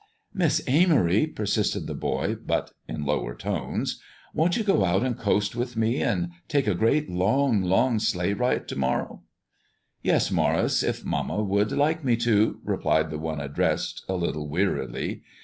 "Miss Amory," persisted the boy, but in lower tones, "won't you go out and coast with me, and take a great, long, long sleigh ride to morrow?" "Yes, Maurice, if mamma would like me to," replied the one addressed, a little wearily.